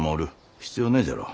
必要ねえじゃろう。